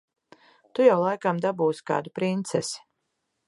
Tu jau laikam dabūsi kādu princesi.